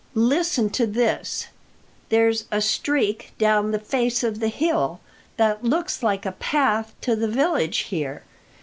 Listen to this: 'There's a streak down the face of the hill, that looks like a path to the village here.